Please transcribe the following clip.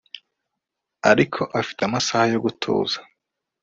Ariko afite amasaha yo gutuza